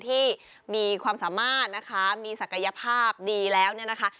ที่มีความสามารถนะคะมีศักยภาพดีแล้วเนี่ยนะคะ